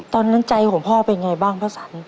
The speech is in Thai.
ตอนนั้นใจของพ่อเป็นยังไงบ้างเพราะฉัน